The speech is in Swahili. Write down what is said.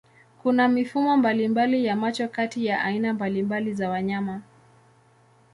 Kuna mifumo mbalimbali ya macho kati ya aina mbalimbali za wanyama.